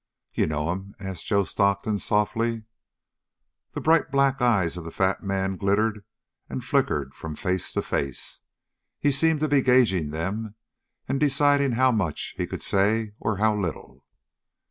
"You know him?" asked Joe Stockton softly. The bright black eyes of the fat man glittered and flickered from face to face. He seemed to be gauging them and deciding how much he could say or how little.